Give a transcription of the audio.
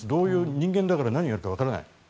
人間だから何やるか分からない。